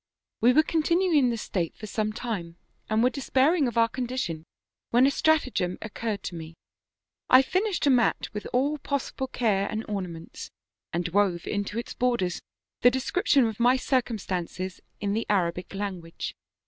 "We were continuing in this state for some time, and were despairing of our condition, when a stratagem oc curred to me; I finished a mat with all possible care and ornaments, and wove into its borders the description of my circumstances in the Arabic language.